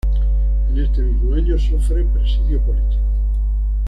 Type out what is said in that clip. En este mismo año sufre presidio político.